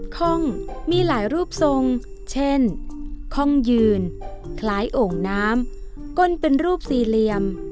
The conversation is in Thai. ข้องมีหลายรูปทรงเช่นข้องยืนคล้ายโอ่งน้ำก้นเป็นรูปสี่เหลี่ยม